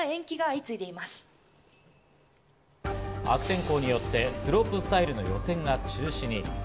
悪天候によってスロープスタイルの予選が中止に。